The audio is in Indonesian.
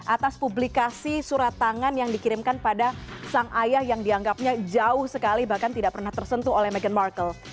atas publikasi surat tangan yang dikirimkan pada sang ayah yang dianggapnya jauh sekali bahkan tidak pernah tersentuh oleh meghan markle